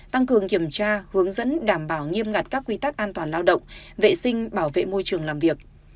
tăng cường kiểm tra hướng dẫn đảm bảo nghiêm ngặt các quy tắc an toàn lao động vệ sinh bảo vệ môi trường làm việc